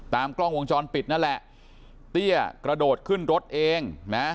กล้องวงจรปิดนั่นแหละเตี้ยกระโดดขึ้นรถเองนะ